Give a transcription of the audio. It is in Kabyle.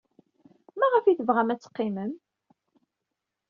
Maɣef ay tebɣam ad teqqimem?